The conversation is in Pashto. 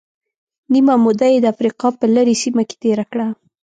نیمه موده یې د افریقا په لرې سیمه کې تېره کړه.